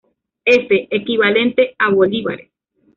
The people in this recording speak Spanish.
F, equivalente a Bs.